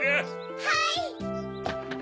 はい！